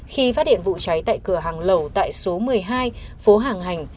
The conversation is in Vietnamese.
khi phát điện vụ cháy tại cửa hàng lầu tại số một mươi hai phố hàng hành